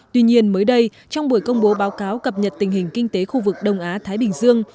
tuy nhiên mới đây trong buổi công bố báo cáo cập nhật tình hình kinh tế khu vực đông á thái bình dương